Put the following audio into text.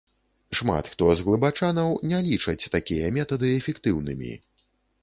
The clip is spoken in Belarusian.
Шмат хто з глыбачанаў не лічаць такія метады эфектыўнымі.